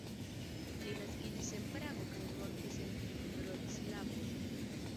Li naskiĝis en Prago kaj mortis en Vroclavo.